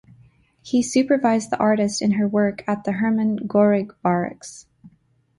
He supervised the artist in her work at the Hermann Goering Barracks.